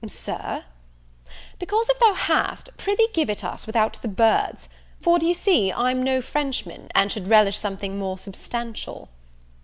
"Sir? " "Because, if thou hast, pr'ythee give it us without the birds; for, d'ye see, I'm no Frenchman, and should relish something more substantial."